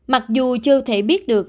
mặc dù chưa thể biết được